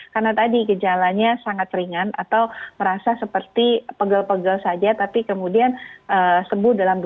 karena tadi kejalannya sangat ringan atau merasa seperti pegel pegel saja tapi kemudian sembuh dalam dua tiga hari